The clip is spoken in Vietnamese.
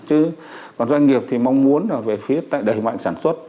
chứ còn doanh nghiệp thì mong muốn là về phía tại đẩy mạnh sản xuất